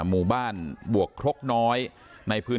ท่านดูเหตุการณ์ก่อนนะครับ